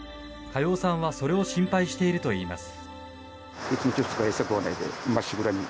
嘉陽さんはそれを心配しているといいます。